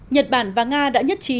nhật bản và nga đã nhất trí